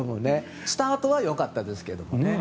スタートはよかったですけど。